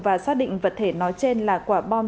và xác định vật thể nói trên là quả bom